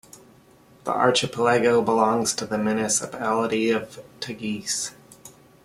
The archipelago belongs to the municipality of Teguise.